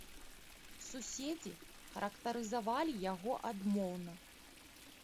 Суседзі характарызавалі яго адмоўна.